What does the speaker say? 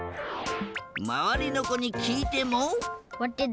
まわりのこにきいても。